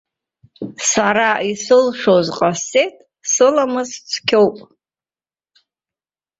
Сара исылшоз ҟасҵеит, сыламыс цқьоуп.